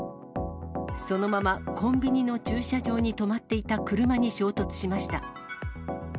そのまま、コンビニの駐車場に止まっていた車に衝突しました。